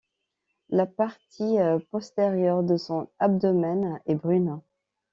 La partie postérieure de son abdomen est brune.